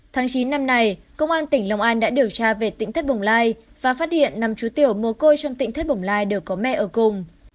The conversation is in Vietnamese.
tháng chín năm nay công an tỉnh long an đã điều tra về tỉnh thất bồng lai và phát hiện năm chú tiểu mồ côi trong tỉnh thất bồng lai đều có mẹ ở cùng